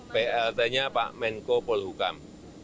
plt nya pak menko polhukam